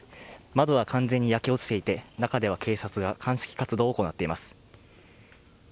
窓は完全に焼け落ちていて中では警察が鑑識活動を行っています。